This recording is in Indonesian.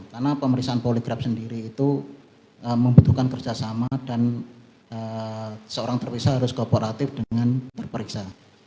karena pemeriksaan poligraf sendiri itu membutuhkan kerjasama dan seorang terpisah harus kooperatif dengan terperiksa